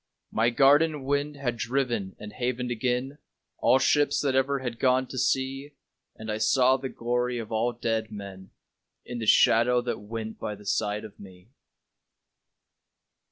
My garden wind had driven and havened again All ships that ever had gone to sea, And I saw the glory of all dead men In the shadow that went by the side of me.